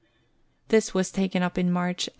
This was taken up in March 1839.